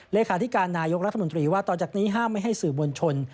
เลขาธิการนายกรัฐมนตรีว่าต่อจากนี้ห้ามไม่ให้สื่อมวลชน